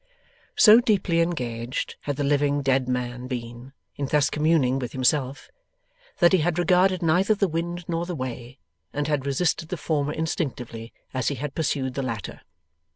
So deeply engaged had the living dead man been, in thus communing with himself, that he had regarded neither the wind nor the way, and had resisted the former instinctively as he had pursued the latter.